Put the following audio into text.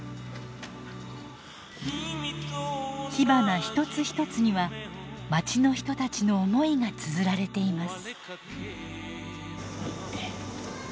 火花一つ一つにはまちの人たちの思いがつづられています。